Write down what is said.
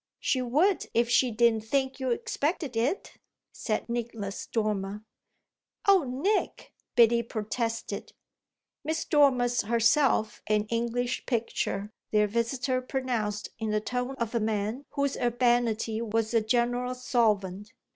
"She would if she didn't think you expected it," said Nicholas Dormer. "Oh Nick!" Biddy protested. "Miss Dormer's herself an English picture," their visitor pronounced in the tone of a man whose urbanity was a general solvent.